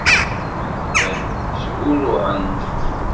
Llan ttgurruɛen-d.